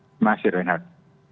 terima kasih renat